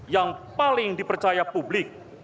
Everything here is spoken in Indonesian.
yang paling dipercaya publik